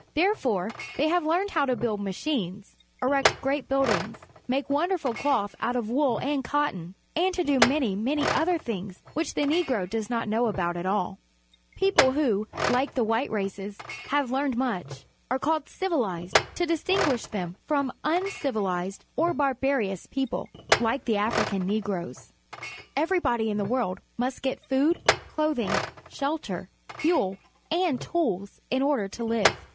Therefore they have learned how to build machines, erect great buildings, make wonderful cloth out of wool and cotton, and to do many, many other things which the Negro does not know about at all. Central Africa RAW MATERIALS, MANUFACTURE, TRANSPORTATION, AND TRADE 25 People who, like the white races, have learned much, are called civiUzed, to dis tinguish them from uncivilized or barbarous people like the African Negroes. Everybod}' in the world must get food, clothing, shelter, fuel, and tools in order to live.